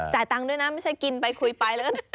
จ่ายตังค์ด้วยนะไม่ใช่กินไปคุยไป